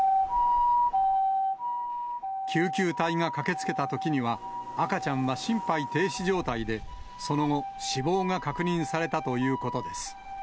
救急隊が駆けつけたときには、赤ちゃんは心肺停止状態で、その後、死亡が確認されたということです。